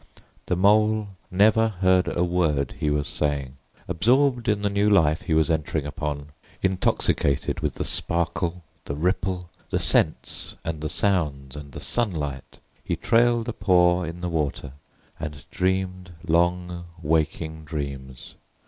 The Mole never heard a word he was saying. Absorbed in the new life he was entering upon, intoxicated with the sparkle, the ripple, the scents and the sounds and the sunlight, he trailed a paw in the water and dreamed long waking dreams.